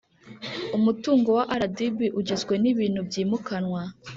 Umutungo wa rdb ugizwe n ibintu byimukanwa